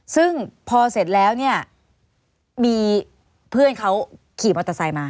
ซึ่งพอเสร็จแล้วเนี่ยมีเพื่อนเขาขี่มอเตอร์ไซค์มา